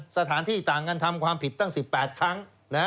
สถานที่ต่างกันทำความผิดตั้ง๑๘ครั้ง